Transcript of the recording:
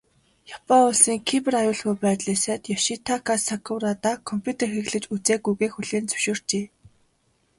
Япон улсын Кибер аюулгүй байдлын сайд Ёшитака Сакурада компьютер хэрэглэж үзээгүйгээ хүлээн зөвшөөрчээ.